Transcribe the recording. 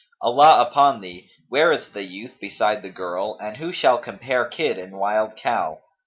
Allah upon thee, where is the youth beside the girl and who shall compare kid and wild cow?